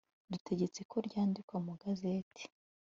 DUTEGETSE KO RYANDIKWA MU GAZETI